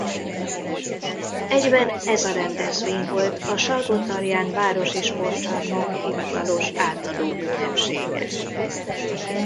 Egyben ez a rendezvény volt a Salgótarján Városi Sportcsarnok hivatalos átadó ünnepsége.